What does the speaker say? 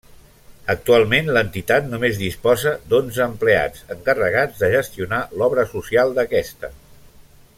Actualment l'entitat només disposa d'onze empleats, encarregats de gestionar l'obra social d'aquesta.